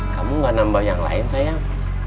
kamu gak nambah yang lain sayang